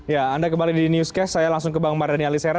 ya anda kembali di newscast saya langsung ke bang mardhani alisera